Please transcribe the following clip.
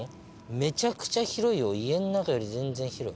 めちゃくちゃ広いよ家の中より全然広い。